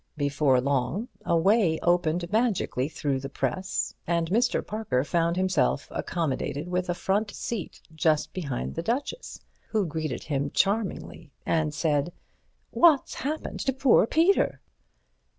Before long, a way opened magically through the press, and Mr. Parker found himself accommodated with a front seat just behind the Duchess, who greeted him charmingly, and said: "What's happened to poor Peter?"